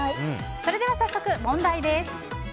それでは、早速問題です。